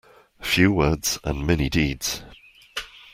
Few words and many deeds.